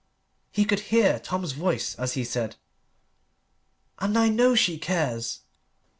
He could hear Tom's voice as he said "And I know she cares!"